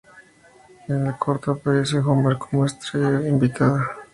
En el corto aparece Homer como estrella invitada.